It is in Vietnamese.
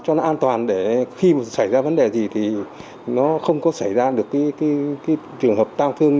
cho nó an toàn để khi mà xảy ra vấn đề gì thì nó không có xảy ra được cái trường hợp taong thương